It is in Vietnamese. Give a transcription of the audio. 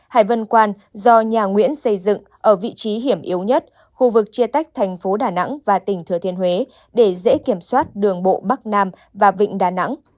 hải vân quan do nhà nguyễn xây dựng ở vị trí hiểm yếu nhất khu vực chia tách thành phố đà nẵng và tỉnh thừa thiên huế để dễ kiểm soát đường bộ bắc nam và vịnh đà nẵng